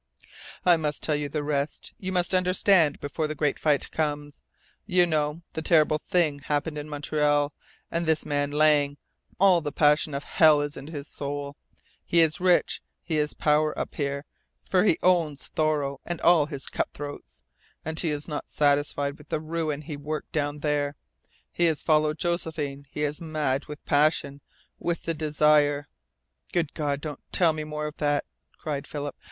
"I must tell you the rest. You must understand before the great fight comes. You know the terrible thing happened in Montreal. And this man Lang all the passion of hell is in his soul! He is rich. He has power up here, for he owns Thoreau and all his cutthroats. And he is not satisfied with the ruin he worked down there. He has followed Josephine. He is mad with passion with the desire " "Good God, don't tell me more of that!" cried Philip.